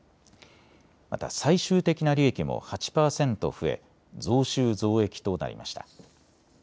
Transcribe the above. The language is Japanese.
また最終的な利益も８％増え増収増益となりました。